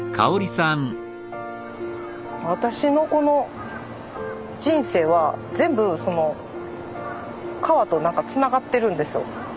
私のこの人生は全部川と何かつながってるんですよ。